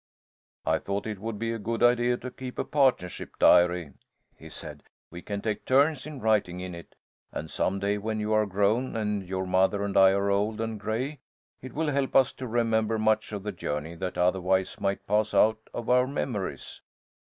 "I thought it would be a good idea to keep a partnership diary," he said. "We can take turns in writing in it, and some day, when you are grown, and your mother and I are old and gray, it will help us to remember much of the journey that otherwise might pass out of our memories.